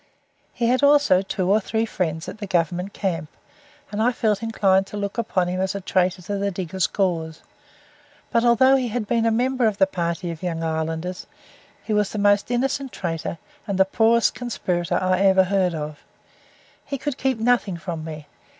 He had also two or three friends at the Governmnt camp, and I felt inclined to look upon him as a traitor to the diggers' cause but although he had been a member of the party of Young Irelanders, he was the most innocent traitor and the poorest conspirator I ever heard of. He could keep nothing from me.